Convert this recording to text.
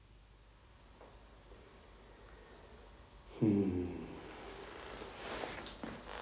うん。